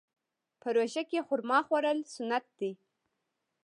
په روژه کې خرما خوړل سنت دي.